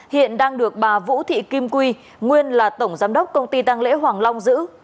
hiện đang được bà vũ thị kim quy nguyên là tổng giám đốc công ty tăng lễ hoàng long giữ